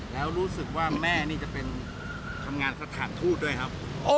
แล้วรู้สึกว่าแม่นี่จะเป็นทำงานสถานทูตด้วยครับ